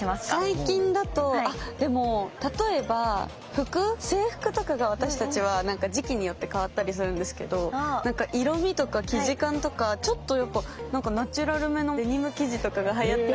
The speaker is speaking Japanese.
最近だと例えば制服とかが私たちは時期によってかわったりするんですけど色みとか生地感とかちょっとナチュラルめのデニム生地とかがはやったり。